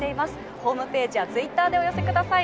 ホームページやツイッターでお寄せください。